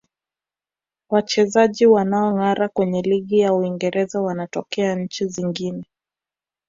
wachezaji wanaongara kwenye ligi ya uingereza wanatokea nchi zingne